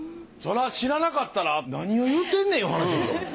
そら知らなかったら何を言うてんねんいう話ですよ。